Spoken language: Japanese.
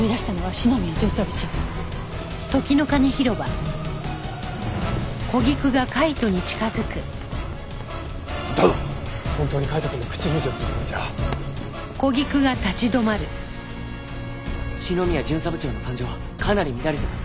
篠宮巡査部長の感情かなり乱れてます。